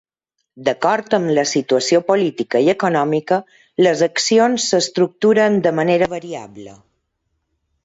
D'acord amb la situació política i econòmica, les accions s'estructuren de manera variable.